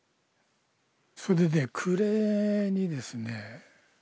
それで暮れにですね。